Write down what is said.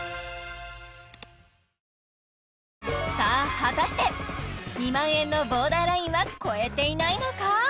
果たして２万円のボーダーラインは超えていないのか？